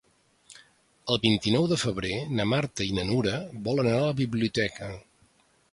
El vint-i-nou de febrer na Marta i na Nura volen anar a la biblioteca.